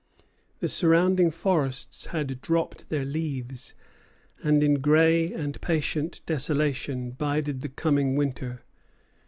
The surrounding forests had dropped their leaves, and in gray and patient desolation bided the coming winter.